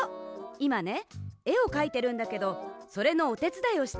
いまねえをかいてるんだけどそれのおてつだいをしてほしくて。